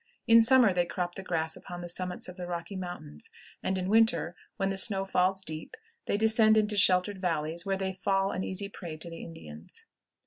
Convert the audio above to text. In summer they crop the grass upon the summits of the Rocky Mountains, and in winter, when the snow falls deep, they descend into sheltered valleys, where they fall an easy prey to the Indians.